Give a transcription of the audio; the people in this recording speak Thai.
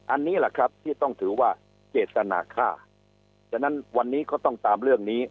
อันนี้แหละครับที่ต้องถือว่าเจตนาค่าฉะนั้นวันนี้ก็ต้องตามเรื่องนี้